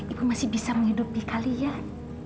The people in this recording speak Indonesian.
ibu masih bisa menghidupi kalian